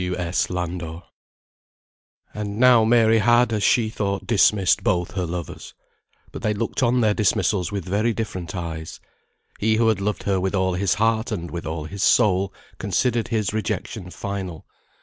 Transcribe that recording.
W. S. LANDOR. And now Mary had, as she thought, dismissed both her lovers. But they looked on their dismissals with very different eyes. He who loved her with all his heart and with all his soul, considered his rejection final.